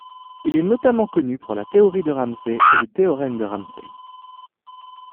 Il est notamment connu pour la théorie de Ramsey et le théorème de Ramsey.